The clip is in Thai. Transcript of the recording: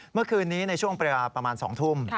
เมื่อคืนนี้ในช่วงเวลาประมาณ๒ทุ่ม